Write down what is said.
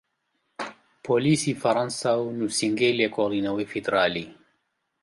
پۆلیسی فەرەنسا و نوسینگەی لێکۆڵینەوەی فیدراڵی